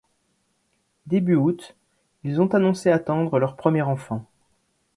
Début aout, ils ont annoncé attendre leur premier enfant.